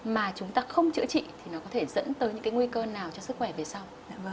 mà chúng ta không chữa trị thì nó có thể dẫn tới những nguy cơ nào cho sức khỏe về sau